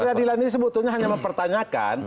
pra peradilannya sebetulnya hanya mempertanyakan